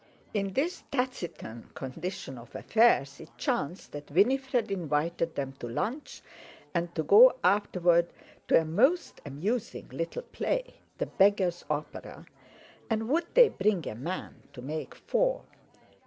In this taciturn condition of affairs it chanced that Winifred invited them to lunch and to go afterward to "a most amusing little play, 'The Beggar's Opera'" and would they bring a man to make four?